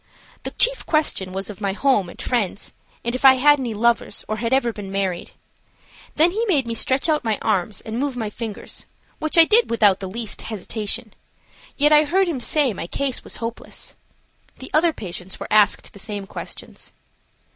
The chief question was of my home and friends, and if I had any lovers or had ever been married. Then he made me stretch out my arms and move my fingers, which I did without the least hesitation, yet I heard him say my case was hopeless. The other patients were asked the same questions.